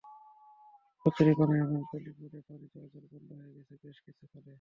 কচুরিপানা এবং পলি পড়ে পানি চলাচল বন্ধ হয়ে গেছে বেশ কিছু খালে।